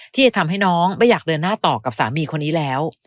ที่จะทำให้น้องไม่อยากเดินหน้าต่อกับสามีคนนี้แล้ว